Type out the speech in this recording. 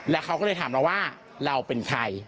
แล้วเขาก็เลยถามเราว่าเราเป็นใคร